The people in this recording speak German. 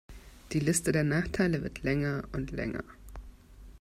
Die Liste der Nachteile wird länger und länger.